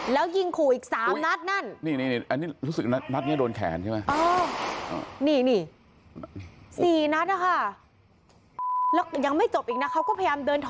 แล้วยิงขู่อีก๓นัดนั่น